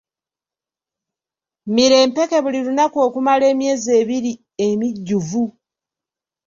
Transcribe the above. Mira empeke buli lunaku okumala emyezi ebiri emijjuvu.